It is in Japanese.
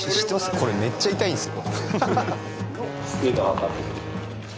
これめっちゃ痛いんすよ。